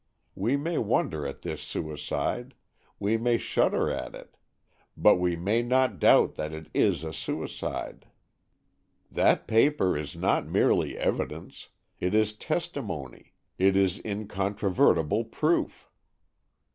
We may wonder at this suicide, we may shudder at it; but we may not doubt that it is a suicide. That paper is not merely evidence,—it is testimony, it is incontrovertible proof."